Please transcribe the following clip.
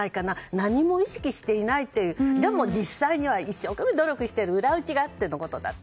何も意識していないというでも実際には一生懸命努力している裏打ちがあってのことなので。